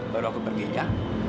baru aku pergi ya